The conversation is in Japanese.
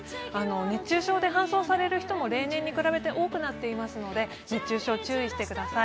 熱中症で搬送される人も例年に比べて多くなっていますので、熱中症注意してください。